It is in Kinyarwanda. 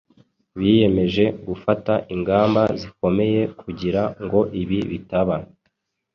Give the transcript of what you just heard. Biyemeje gufata ingamba zikomeye kugira ngo ibi bitaba.